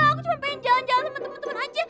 aku cuma pengen jalan jalan sama teman teman aja